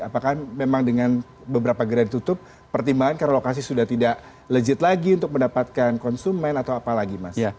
apakah memang dengan beberapa gerai ditutup pertimbangan karena lokasi sudah tidak legit lagi untuk mendapatkan konsumen atau apa lagi mas